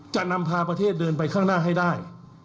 จะนำพาประเทศเดินไปข้างหน้าให้ได้